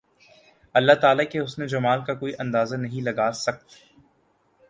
اللہ تعالی کے حسن و جمال کا کوئی اندازہ نہیں لگا سکت